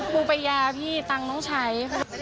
กูไปยาพี่ตังค์ต้องใช้